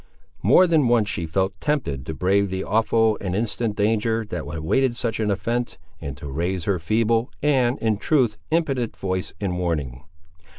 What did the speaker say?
More than once she felt tempted to brave the awful and instant danger that awaited such an offence, and to raise her feeble, and, in truth, impotent voice in warning.